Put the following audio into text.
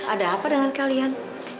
ada apa dengan kalian